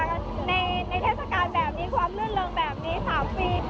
ในเทศกาลแบบนี้ความลื่นเริงแบบนี้๓ปี